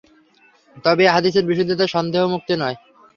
তবে এ হাদীসের বিশুদ্ধতা সন্দেহমুক্ত নয়।